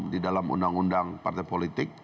di dalam undang undang partai politik